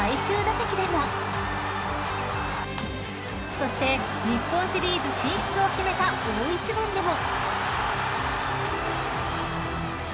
［そして日本シリーズ進出を決めた大一番でも］